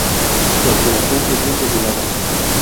Su activación es bien regulada.